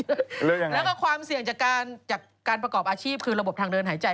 เพราะว่าความเสี่ยงจากการประกอบอาชีพคือระบบทางเดินหายใจ